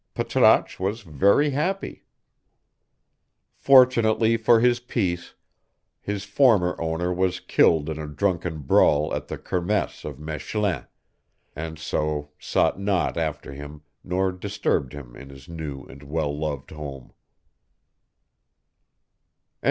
Patrasche was very happy. Fortunately for his peace, his former owner was killed in a drunken brawl at the Kermesse of Mechlin, and so sought not after him nor disturbed him in his new and well loved home.